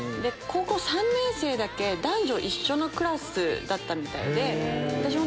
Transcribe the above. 高校３年生だけ男女一緒のクラスだったみたいで私